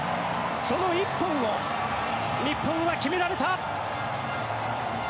その１本を日本は決められた！